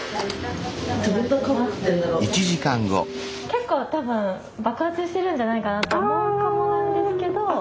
結構多分爆発してるんじゃないかなって思うかもなんですけど。